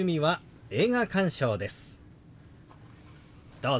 どうぞ！